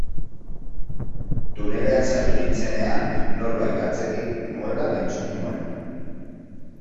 Tunelean sartu nintzenean norbait atzetik nuela entzun nuen.